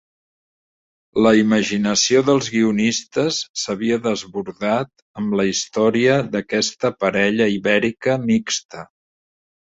La imaginació dels guionistes s'havia desbordat amb la història d'aquesta parella ibèrica mixta.